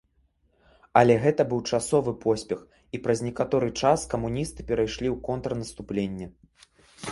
Але гэта быў часовы поспех і праз некаторы час камуністы перайшлі ў контрнаступленне.